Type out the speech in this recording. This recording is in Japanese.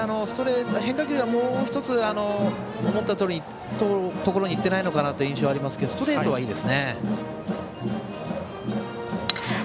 変化球がもう１つ思ったところに行っていない印象がありますけどストレートはいいですね。